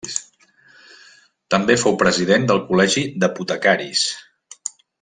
També fou president del Col·legi d'Apotecaris.